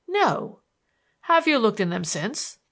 "No." "Have you looked in them since?"